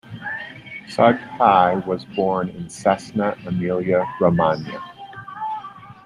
Sughi was born in Cesena, Emilia-Romagna.